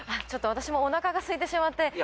ちょっと私もお腹がすいてしまって。